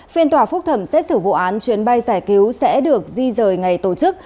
phiên tòa phúc thẩm xét xử vụ án chuyến bay giải cứu sẽ được di rời ngày tổ chức